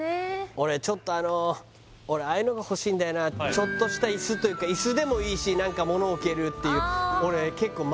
俺ちょっとあの俺ああいうのが欲しいんだよなちょっとした椅子というか椅子でもいいし何かもの置けるっていうああ